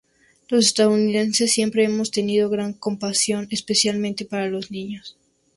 Los estadounidenses siempre hemos tenido gran compasión, especialmente para los niños.